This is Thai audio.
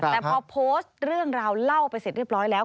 แต่พอโพสต์เรื่องราวเล่าไปเสร็จเรียบร้อยแล้ว